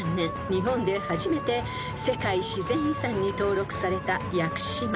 日本で初めて世界自然遺産に登録された屋久島］